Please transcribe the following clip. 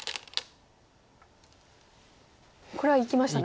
これは生きましたね。